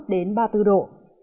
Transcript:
đến ba mươi bốn độ